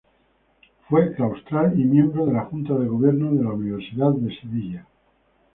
Fue claustral y miembro de la Junta de Gobierno de la Universidad de Sevilla.